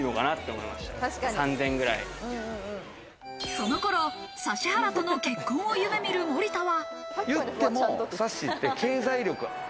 その頃、指原との結婚を夢見る森田は。